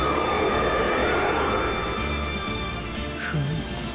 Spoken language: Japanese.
フム。